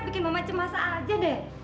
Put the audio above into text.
bikin mama cemasa aja deh